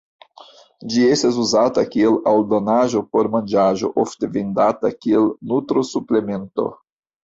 Ĝi estas uzata kiel aldonaĵo por manĝaĵo ofte vendata kiel nutro-suplemento.